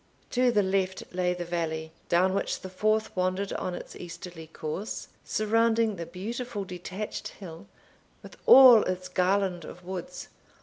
To the left lay the valley, down which the Forth wandered on its easterly course, surrounding the beautiful detached hill, with all its garland of woods.